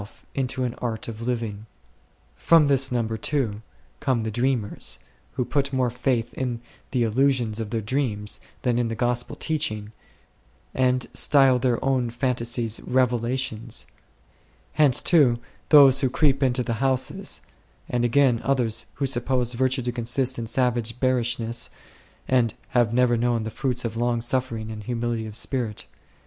£ From this number, too, come the Dreamers, who put more faith in the illusions of their dreams 9 than in the Gospel teaching, and style their own phantasies "revelations." Hence, too, those who " creep into the houses "; and again others who suppose virtue to consist in savage bearishness, and have never known the fruits of long suffer ing and humility of spirit.